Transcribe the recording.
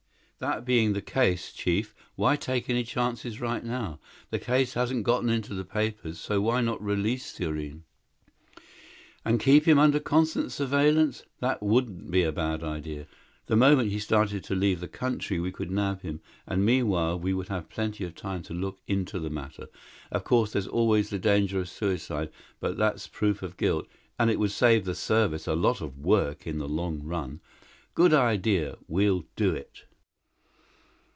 "That being the case, Chief, why take any chances right now? The case hasn't gotten into the papers, so why not release Thurene?" "And keep him under constant surveillance? That wouldn't be a bad idea. The moment he started to leave the country we could nab him, and meanwhile we would have plenty of time to look into the matter. Of course, there's always the danger of suicide but that's proof of guilt, and it would save the Service a lot of work in the long run. Good idea! We'll do it."